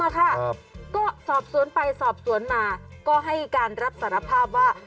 ก็สอบสวนไปสอบสวนมาก็ให้การรับสารภาพว่า